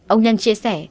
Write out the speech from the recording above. ông nhân chia sẻ